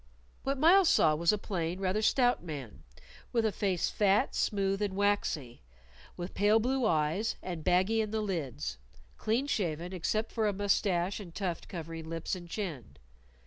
What Myles saw was a plain, rather stout man, with a face fat, smooth, and waxy, with pale blue eyes, and baggy in the lids; clean shaven, except for a mustache and tuft covering lips and chin.